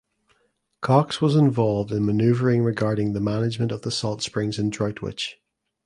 Cocks was involved in manoeuvring regarding the management of the salt springs in Droitwich.